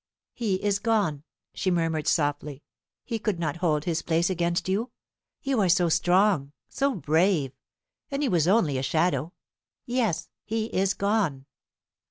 "He is gone!" she murmured softly. "He could not hold his place against you you are so strong so brave; and he was only a shadow. Yes, he is gone."